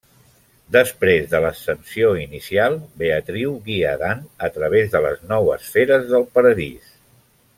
Després de l'ascensió inicial, Beatriu guia Dant a través de les nou esferes del Paradís.